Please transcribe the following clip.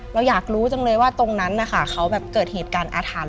เราอยากรู้จังเลยว่าตรงนั้นนะคะเขาแบบเกิดเหตุการณ์อาถรรพ